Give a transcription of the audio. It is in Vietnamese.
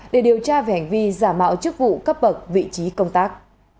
để điều tra về hành vi giả mạo chức vụ cấp bậc vị trí công tác